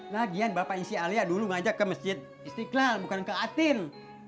lagian bapak isi alia dulu ngajak ke masjid istiqlal bukan ke atin